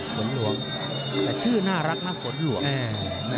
ฝนหลวงแต่ชื่อน่ารักน่าฝนหลวง